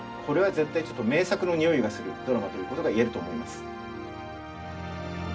これは絶対ちょっと名作のにおいがするドラマということが言えると思います。